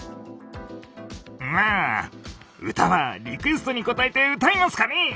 まあ歌はリクエストに応えて歌いますかね。